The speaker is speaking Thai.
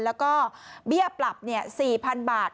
แล้วก็เบี้ยปรับ๔๐๐๐บาท